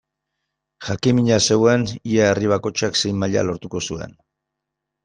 Jakin-mina zegoen ea herri bakoitzak zein maila lortuko zuen.